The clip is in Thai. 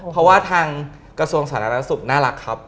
เพราะว่าทางกระทรวงสาธารณสุขน่ารักครับ